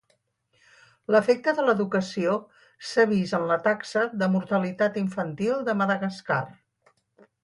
L'efecte de l'educació s'ha vist en la taxa de mortalitat infantil de Madagascar.